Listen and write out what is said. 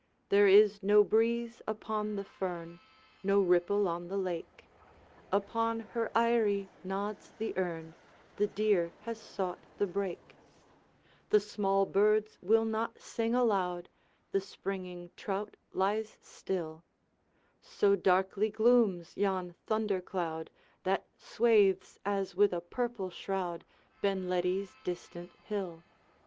There is no breeze upon the fern, No ripple on the lake, Upon her eyry nods the erne, The deer has sought the brake; The small birds will not sing aloud, The springing trout lies still, So darkly glooms yon thunder cloud, That swathes, as with a purple shroud, Benledi's distant hill.